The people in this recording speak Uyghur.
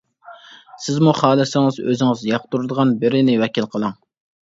سىزمۇ خالىسىڭىز ئۆزىڭىز ياقتۇرىدىغان بىرىنى ۋەكىل قىلىڭ.